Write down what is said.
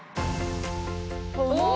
お！